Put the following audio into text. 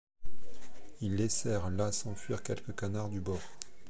Ils laissèrent là s'enfuir quelques canards du bord.